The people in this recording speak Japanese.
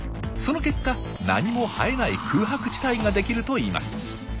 その結果何も生えない空白地帯ができるといいます。